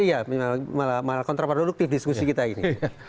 iya malah kontraproduktif diskusi kita ini